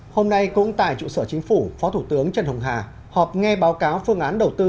hôm nay cũng tại trụ sở chính phủ phó thủ tướng trần hồng hà họp nghe báo cáo phương án đầu tư